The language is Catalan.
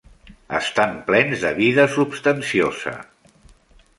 Estan plens de vida substanciosa.